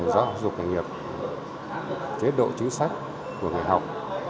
giáo dục nghề nghiệp chế độ chính sách của người học